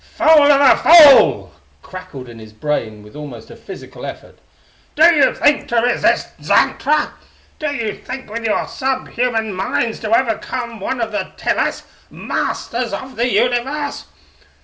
"Fool of a fool!" crackled in his brain with almost a physical effort, "do you think to resist Xantra? Do you think with your sub human minds to overcome one of the Tillas, Masters of the Universe?